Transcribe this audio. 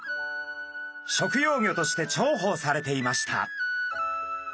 食用魚として重宝されていました。